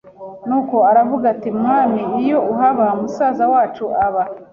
Nuko aravuga ati Mwami iyo uhaba musaza wacu aba